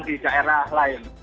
di daerah lain